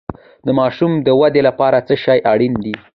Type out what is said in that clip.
د ماشوم د ودې لپاره څه شی اړین دی؟